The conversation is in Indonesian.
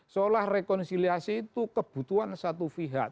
seolah rekonsiliasi itu kebutuhan satu pihak